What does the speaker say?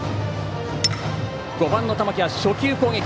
５番の玉木は初球攻撃。